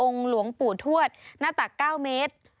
หลวงปู่ทวดหน้าตัก๙เมตร